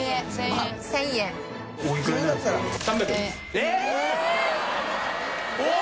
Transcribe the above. えっ！